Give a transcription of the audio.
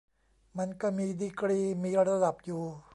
มันก็มีดีกรี มีระดับอยู่